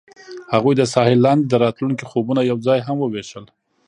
هغوی د ساحل لاندې د راتلونکي خوبونه یوځای هم وویشل.